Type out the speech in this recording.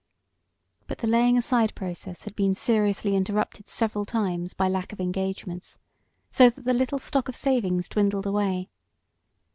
But the laying aside process had been seriously interrupted several times by lack of engagements, so that the little stock of savings dwindled away.